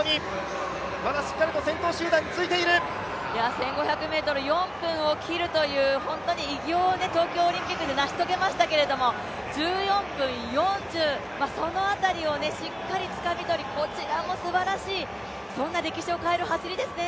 １５００ｍ、４分を切るという偉業を東京オリンピックで成し遂げましたけど１４分４０、その辺りをしっかりつかみ取りこちらもすばらしいそんな歴史を変える走りですね。